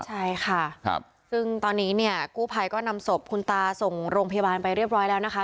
ใช่ค่ะซึ่งตอนนี้เนี่ยกู้ภัยก็นำศพคุณตาส่งโรงพยาบาลไปเรียบร้อยแล้วนะคะ